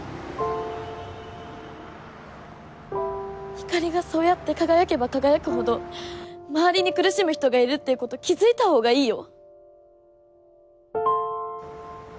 ひかりがそうやって輝けば輝くほど周りに苦しむ人がいるっていうこと気付いた方がいいよ？